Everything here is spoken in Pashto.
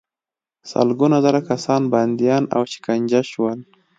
سلګونه زره کسان بندیان او شکنجه شول.